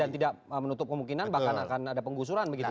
dan tidak menutup kemungkinan bahkan akan ada penggusuran begitu ya